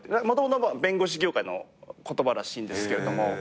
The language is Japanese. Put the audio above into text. もともと弁護士業界の言葉らしいんですけれども。